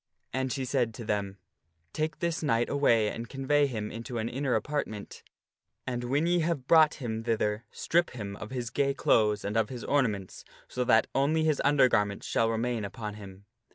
And she said to them, " Take this knight away, and convey him into an inner apartment, and when ye have brought him thither, strip him of his gay clothes and of his ornaments so that only his undergarments shall remain upon him.